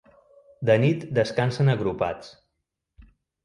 De nit descansen agrupats.